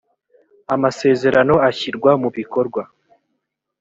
amasezerano ashyirwa mu bikorwa